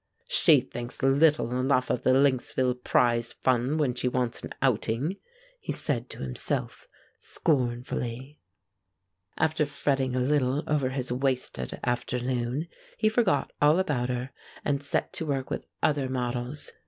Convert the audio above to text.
"She thinks little enough of the Lynxville Prize Fund when she wants an outing," he said to himself, scornfully. After fretting a little over his wasted afternoon, he forgot all about her, and set to work with other models.